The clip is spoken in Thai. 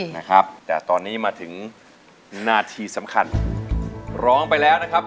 นะครับแต่ตอนนี้มาถึงนาทีสำคัญร้องไปแล้วนะครับ